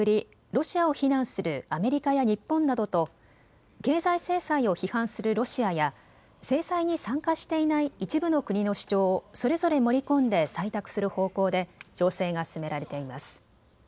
ロシアを非難するアメリカや日本などと経済制裁を批判するロシアや制裁に参加していない一部の国の主張をそれぞれ盛り込んで採択する方向で調整が進められています。